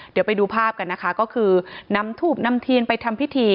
เดี๋ยวไปดูภาพกันนะคะก็คือนำทูบนำเทียนไปทำพิธี